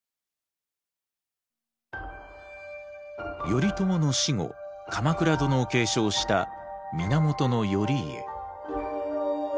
頼朝の死後鎌倉殿を継承した源頼家。